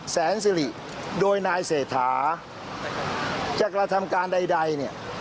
แสนสิริโดยนายเศรษฐาจะกระทำการใดเนี่ย